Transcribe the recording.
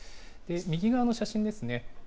右側の写真ですね。